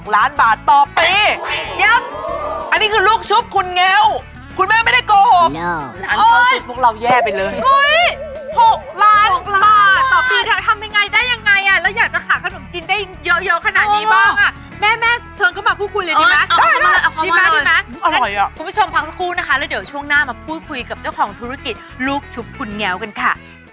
แล้วเดี๋ยวช่วงหน้ามาพูดคุยกับเจ้าของธุรกิจลูกฉุบขุนแงวกันค่ะ